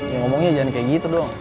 ya ngomongnya jangan kayak gitu dong